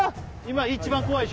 今一番怖い